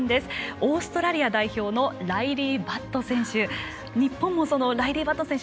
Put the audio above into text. オーストラリア代表のライリー・バット選手。